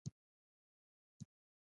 د اطاق څخه راکښته سه.